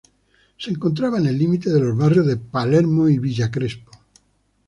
Se encontraba en el límite de los barrios de Palermo y Villa Crespo.